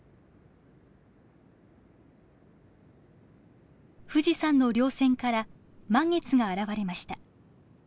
富士山のりょう線から満月が現れました。